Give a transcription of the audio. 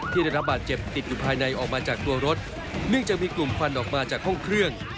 ได้รับบาดเจ็บติดอยู่ภายในออกมาจากตัวรถเนื่องจากมีกลุ่มควันออกมาจากห้องเครื่อง